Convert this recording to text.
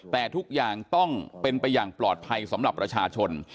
แต่ทุกอย่างต้องเป็นไปอย่างปลอดภัยสำหรับประชาชน